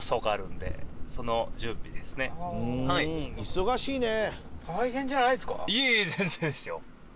「忙しいね」